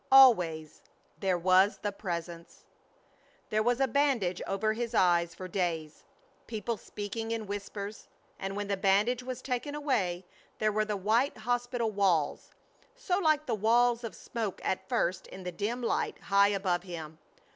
Always there was the Presence! There was a bandage over his eyes for days; people speaking in whispers; and when the bandage was taken away there were the white hospital walls, so like the walls of smoke at first in the dim light, high above him.